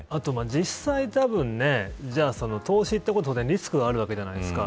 実際、その投資ということでリスクがあるわけじゃないですか。